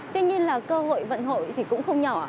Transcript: tuy nhiên là cơ hội vận hội thì cũng không nhỏ